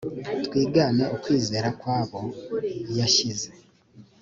twigane ukwizera kwabo yashize